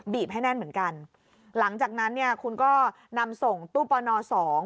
บีบให้แน่นเหมือนกันหลังจากนั้นคุณก็นำส่งตู้ปอนหนอ๒